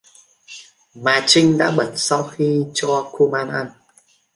Mà chinh đã bật sau khi cho kuman ăn